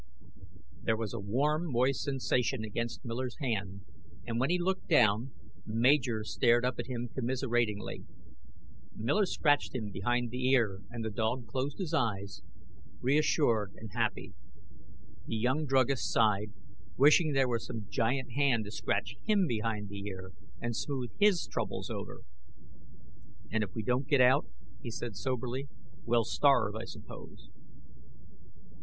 There was a warm, moist sensation against Miller's hand, and when he looked down Major stared up at him commiseratingly. Miller scratched him behind the ear, and the dog closed his eyes, reassured and happy. The young druggist sighed, wishing there were some giant hand to scratch him behind the ear and smooth his troubles over. "And if we don't get out," he said soberly, "we'll starve, I suppose."